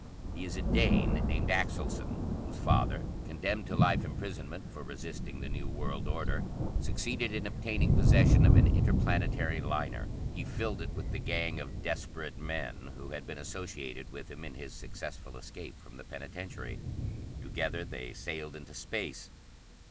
He is a Dane named Axelson, whose father, condemned to life imprisonment for resisting the new world order, succeeded in obtaining possession of an interplanetary liner. "He filled it with the gang of desperate men who had been associated with him in his successful escape from the penitentiary. Together they sailed into Space.